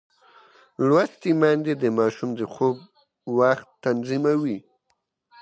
لوستې میندې د ماشوم د خوب وخت تنظیموي.